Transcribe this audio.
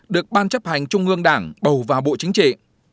được ban chấp hành trung ương đảng bầu vào bộ chính trị